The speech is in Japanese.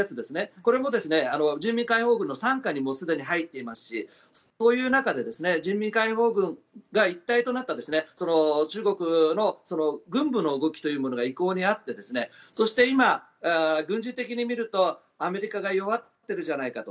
これも人民解放軍の傘下にすでに入っていますしそういう中で人民解放軍が一体となった中国の軍部の動きというものが意向にあってそして今、軍事的に見るとアメリカが弱ってるじゃないかと。